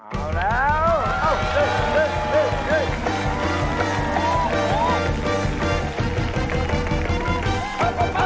เอาแล้ว